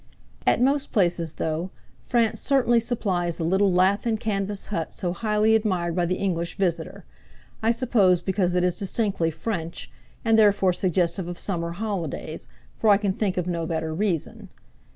At most places, though, France certainly supplies the little lath and canvas hut so highly admired by the English visitor I suppose because it is distinctly French, and therefore suggestive of summer holidays, for I can think of no better reason.